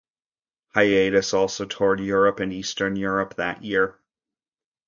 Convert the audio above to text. Hiatus also toured Europe and Eastern Europe that year.